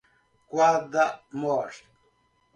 Guarda-Mor